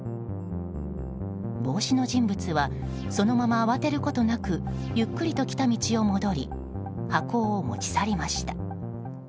帽子の人物はそのまま慌てることなくゆっくりと来た道を戻り箱を持ち去りました。